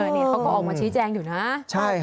นี่เขาก็ออกมาชี้แจงอยู่นะ